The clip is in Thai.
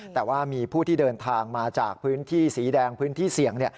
แต่ว่ามีผู้ที่เดินทางมาจากพื้นที่สีแดงพื้นที่เสี่ยง